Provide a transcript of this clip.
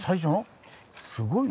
すごいな。